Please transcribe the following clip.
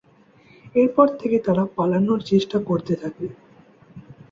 এরপর থেকে তারা পালানোর চেষ্টা করতে থাকে।